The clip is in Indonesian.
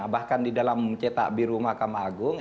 bahkan di dalam mencetak biru mahkamah agung